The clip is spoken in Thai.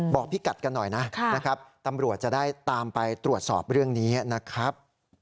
พี่กัดกันหน่อยนะครับตำรวจจะได้ตามไปตรวจสอบเรื่องนี้นะครับ